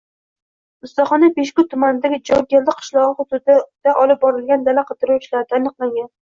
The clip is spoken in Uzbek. Ustaxona Peshku tumanidagi Jonkeldi qishlog‘i hududida olib borilgan dala-qidiruv ishlarida aniqlangan